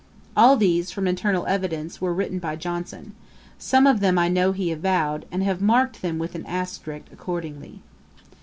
'[*] All these, from internal evidence, were written by Johnson; some of them I know he avowed, and have marked them with an asterisk accordingly.